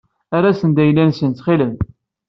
Err-asen-d ayla-nsen ttxil-m.